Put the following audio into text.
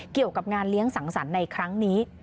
เกี่ยวกับงานเลี้ยงสังสรรค์ในครั้งนี้